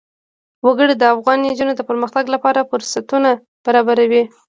وګړي د افغان نجونو د پرمختګ لپاره فرصتونه برابروي.